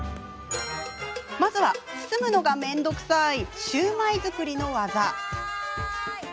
まずは包むのがめんどくさーいシューマイ作りの技。